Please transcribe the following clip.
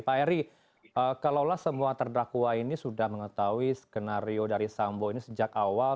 pak eri kalaulah semua terdakwa ini sudah mengetahui skenario dari sambo ini sejak awal